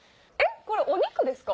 これお肉ですか？